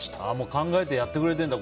考えてやってくれてるんだ。